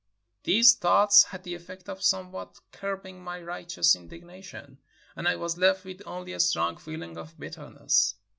These thoughts had the effect of somewhat curbing my righteous indignation, and I was left with only a strong feeling of bitterness.